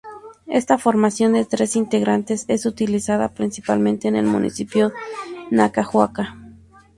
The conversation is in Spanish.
Esta formación de tres integrantes es utilizada principalmente en el municipio de Nacajuca.